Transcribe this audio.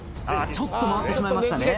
ちょっと回ってしまいましたね・・